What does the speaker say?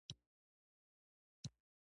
ژمي کې مجرد تبا دی.